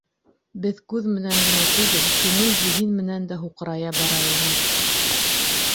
Беҙ күҙ менән генә түгел, күңел-зиһен менән дә һуҡырая бара инек.